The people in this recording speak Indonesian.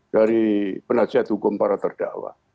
dari penajah tukum para terdakwa